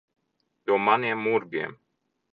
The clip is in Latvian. No maniem murgiem.